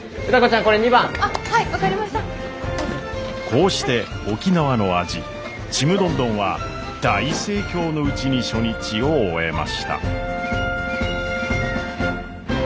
こうして沖縄の味ちむどんどんは大盛況のうちに初日を終えました。